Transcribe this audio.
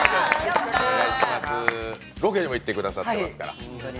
ロケにも行ってくださってますから。